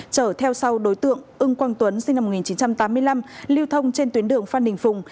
chở theo sau đối tượng ưng quang tuấn sinh năm một nghìn chín trăm tám mươi năm lưu thông trên tuyến đường phan đình phùng